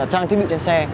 trang thiết bị trên xe